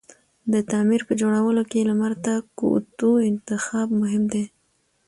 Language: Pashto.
د تعمير په جوړولو کی لمر ته کوتو انتخاب مهم دی